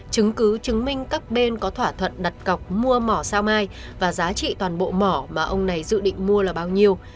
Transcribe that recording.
chứng cứ chứng minh các bên có thỏa thuận đặt cọc mua mỏ sao mai và giá trị toàn bộ mỏ mà ông này dự định mua là bao nhiêu